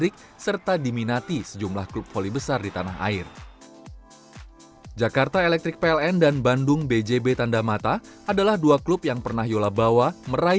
jadi misalkan kita tidak bisa main sendiri